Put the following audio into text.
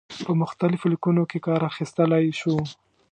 په مختلفو لیکنو کې کار اخیستلای شو.